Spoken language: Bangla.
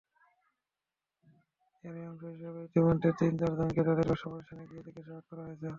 এরই অংশ হিসেবে ইতিমধ্যে তিন-চারজনকে তাঁদের ব্যবসাপ্রতিষ্ঠানে গিয়ে জিজ্ঞাসাবাদ করা হয়েছে।